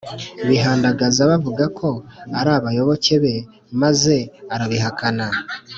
bihandagaza bavuga ko ari abayoboke be maze arabihakana